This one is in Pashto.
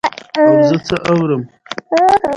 د مور شېدې د ماشوم لپاره بشپړ خواړه دي.